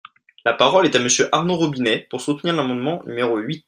La parole est à Monsieur Arnaud Robinet, pour soutenir l’amendement numéro huit.